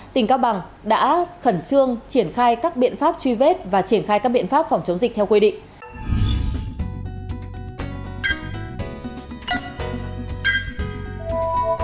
tỉnh cao bằng đã khẩn trương triển khai các biện pháp truy vết và triển khai các biện pháp phòng chống dịch theo quy định